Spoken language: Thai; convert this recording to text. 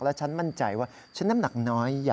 แล้วฉันมั่นใจว่าฉันน้ำหนักน้อย